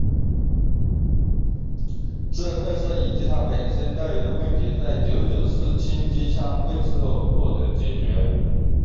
这特色以及它本身带有的问题在九九式轻机枪问世后获得解决。